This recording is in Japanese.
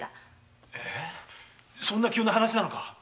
そんなに急な話なのか？